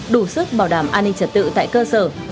đủ sức bảo đảm an ninh trật tự tại cơ sở